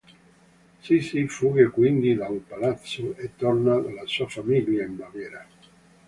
Sissi fugge quindi dal palazzo, e torna dalla sua famiglia in Baviera.